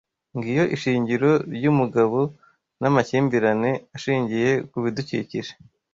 Ngiyo ishingiro ryumugabo namakimbirane ashingiye kubidukikije: